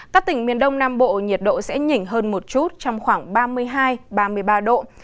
các tỉnh miền đông nam bộ nhiệt độ sẽ nhỉnh hơn một chút trong khoảng ba mươi hai ba mươi ba độ